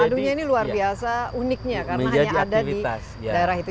waduhnya ini luar biasa uniknya karena hanya ada di daerah itu